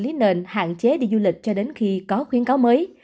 lý nền hạn chế đi du lịch cho đến khi có khuyến cáo mới